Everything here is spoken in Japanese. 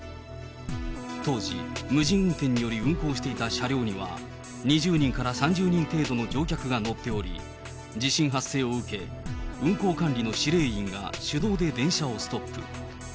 当時、無人運転により運行していた車両には、２０人から３０人程度の乗客が乗っており、地震発生を受け、運行管理の指令員が手動で電車をストップ。